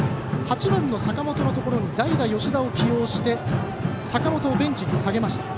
８番の坂本のところに代打、吉田を起用して坂本をベンチに下げました。